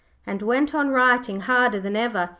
and went on writing harder than ever.